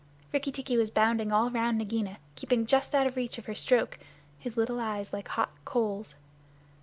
Rikki tikki was bounding all round Nagaina, keeping just out of reach of her stroke, his little eyes like hot coals.